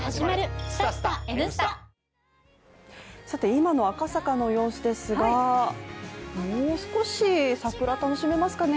今の赤坂の様子ですがもう少し桜、楽しめますかね。